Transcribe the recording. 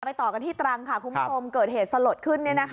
ต่อกันที่ตรังค่ะคุณผู้ชมเกิดเหตุสลดขึ้น